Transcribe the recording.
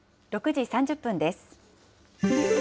６時３０分です。